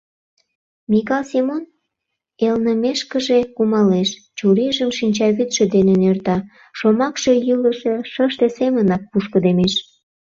Микал Семон элнымешкыже кумалеш, чурийжым шинчавӱдшӧ дене нӧрта, шомакше йӱлышӧ шыште семынак пушкыдемеш.